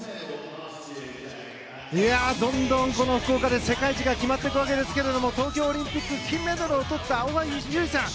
どんどんこの福岡で世界一が決まっていくわけですけど東京オリンピック金メダルをとった大橋悠依さん。